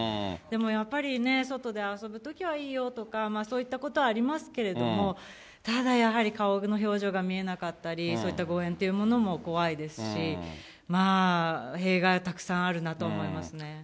でもやっぱりね、外で遊ぶときはいいよとか、そういったことはありますけれども、ただやはり顔の表情が見えなかったり、そういった誤えんということも怖いですし、弊害はたくさんあるなと思いますね。